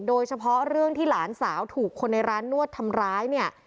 โดยเฉพาะเรื่องที่หลานสาวถูกคนในร้านนวดทำร้ายเนี่ย